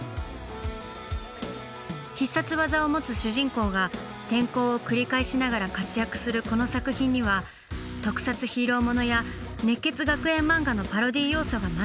必殺技を持つ主人公が転校を繰り返しながら活躍するこの作品には特撮ヒーローものや熱血学園漫画のパロディー要素が満載。